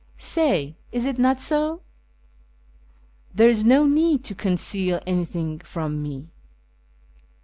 Say, is it not so ? There is no need to conceal anything from me."